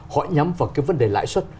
họ nhắm vào cái vấn đề lãi suất